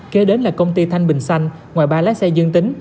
kế đến là công ty thanh bình xanh ngoài ba lái xe dương tính